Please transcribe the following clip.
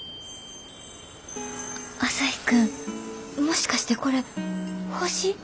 朝陽君もしかしてこれ星？